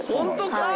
はい。